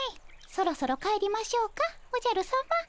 そろそろ帰りましょうかおじゃるさま。